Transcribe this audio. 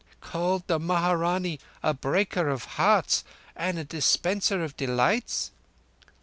"Called the Maharanee a Breaker of Hearts and a Dispenser of Delights?"